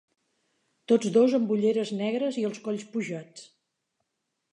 Tots dos amb ulleres negres i els colls pujats.